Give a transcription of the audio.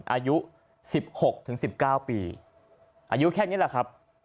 อายุ๑๖๑๙ปีอายุแค่นี้แหละครับ